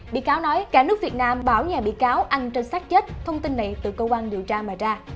bị cáo nói cả nước việt nam bảo nhà bị cáo ăn trên sắc chết thông tin này từ cơ quan điều tra mà ra